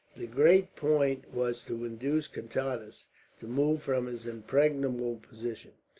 The great point was to induce Contades to move from his impregnable position.